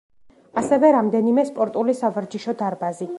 ასევე რამდენიმე სპორტული სავარჯიშო დარბაზი.